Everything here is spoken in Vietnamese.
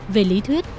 về lý thuyết